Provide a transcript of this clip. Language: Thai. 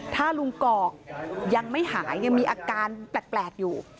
ถ้าลุงกอกยังไม่หายยังมีอาการแปลกอยู่